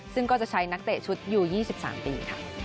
ซึ่งก็จะใช้นักเตะชุดอยู่๒๓ปี